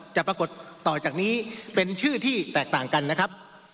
ปรากฏต่อจากนี้เป็นชื่อที่แตกต่างกันนะครับ